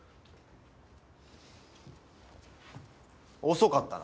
遅かったな。